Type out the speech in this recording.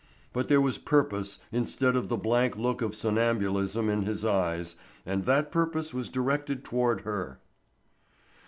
But there was purpose instead of the blank look of somnambulism in his eyes, and that purpose was directed toward her.